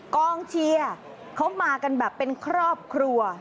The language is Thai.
กองเชียร์เขามากันแบบเป็นครอบครัว